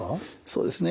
そうですね。